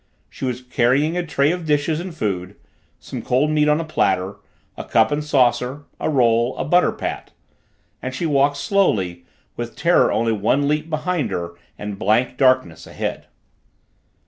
She was carrying a tray of dishes and food some cold meat on a platter, a cup and saucer, a roll, a butter pat and she walked slowly, with terror only one leap behind her and blank darkness ahead.